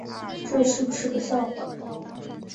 这是不是个笑话